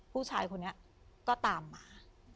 ผู้ชายคนนี้ก็ตามมา